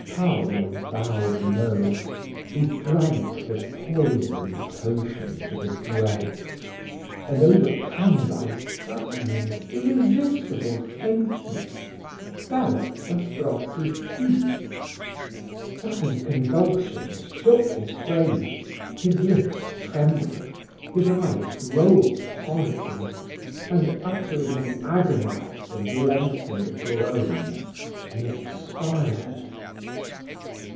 Paulo bowed low he drank the poisoned potion to the dregs, and, overcome by sudden and irresistible faintness, fell at Zastrozzi's feet. Sudden convulsions shook his frame, his lips trembled, his eyes rolled horribly, and, uttering an agonised and lengthened groan, he expired.